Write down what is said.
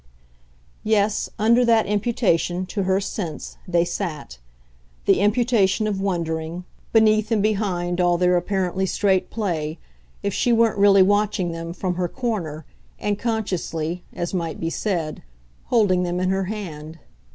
Yes, under that imputation, to her sense, they sat the imputation of wondering, beneath and behind all their apparently straight play, if she weren't really watching them from her corner and consciously, as might be said, holding them in her hand.